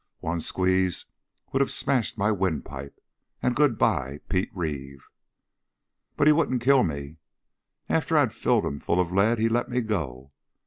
One squeeze would have smashed my windpipe and good bye, Pete Reeve! "But he wouldn't kill me. After I'd filled him full of lead, he let me go.